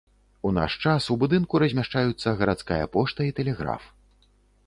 У наш час у будынку размяшчаюцца гарадская пошта і тэлеграф.